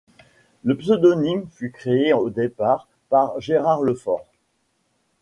Le pseudonyme fut créé au départ par Gérard Lefort.